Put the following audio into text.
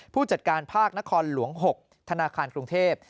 ผู้จัดการภาคนครหลวง๖ธนาคารกรุงเทพ